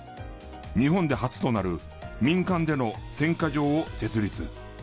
日本で初となる民間での選果場を設立。